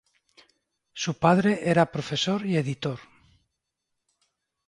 Su padre era profesor y editor.